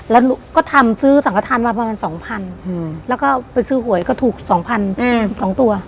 แล้วก็ทำซื้อสังขทานมาประมาณ๒๐๐๐แล้วก็ไปซื้อหวยก็ถูก๒๐๐๒ตัว